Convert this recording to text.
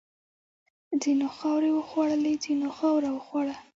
ځینو خاورې وخوړلې، ځینو خاوره وخوړه.